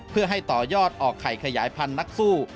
เพื่อให้ต่อยอดออกไข่ขยายพันธุ์นักสู้